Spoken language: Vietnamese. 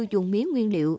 dùng mía nguyên liệu